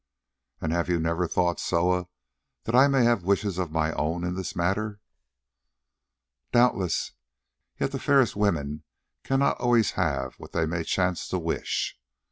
"And have you never thought, Soa, that I may have wishes of my own in this matter?" "Doubtless, yet the fairest women cannot always have what they may chance to wish.